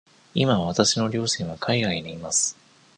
今わたしの両親は海外にいます。